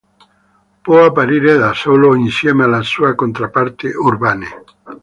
Può apparire da solo o insieme alla sua controparte Urbane.